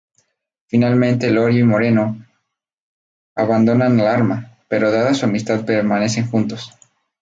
Finalmente Iorio y Moreno abandonan Alarma, pero dada su amistad permanecen juntos.